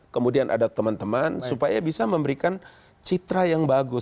kemudian ada teman teman supaya bisa memberikan citra yang bagus